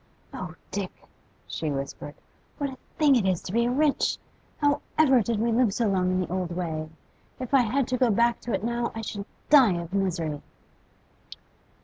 'Oh, Dick,' she whispered, 'what a thing it is to be rich! How ever did we live so long in the old way! If I had to go back to it now I should die of misery.